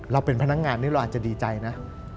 เราเป็นพนักงานนี่เราอาจจะดีใจนะ